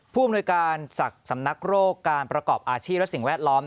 ผู้อำนวยการศักดิ์สำนักโรคการประกอบอาชีพและสิ่งแวดล้อม